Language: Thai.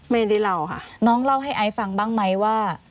ไม่ได้เล่าค่ะ